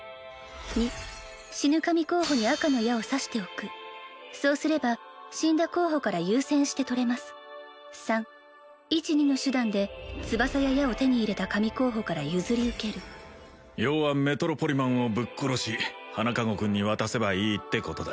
２死ぬ神候補に赤の矢を刺しておくそうすれば死んだ候補から優先して取れます３１２の手段で翼や矢を手に入れた神候補から譲り受ける要はメトロポリマンをぶっ殺し花籠君に渡せばいいってことだ